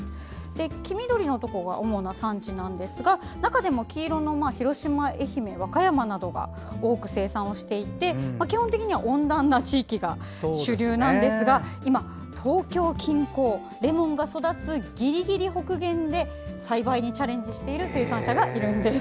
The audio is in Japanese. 黄緑のところが主な産地なんですが中でも黄色の広島、愛媛、和歌山などが多く生産をしていて基本的には温暖な地域が主流なんですが今、東京近郊レモンが育つギリギリ北限で栽培にチャレンジしている生産者がいるんです。